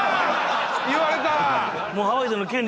言われた！？